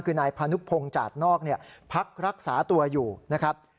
คือนายพนุภงจากนอกเนี่ยพักรักษาตัวอยู่นะครับ